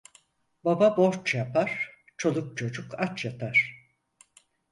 Baba borç yapar çoluk çocuk aç yatar.